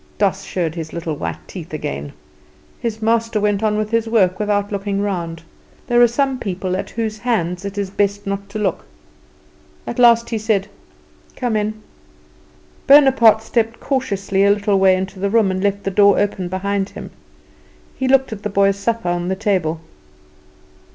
Doss showed his little white teeth again. His master went on with his work without looking round. There are some people at whose hands it is best not to look. At last he said: "Come in." Bonaparte stepped cautiously a little way into the room, and left the door open behind him. He looked at the boy's supper on the table.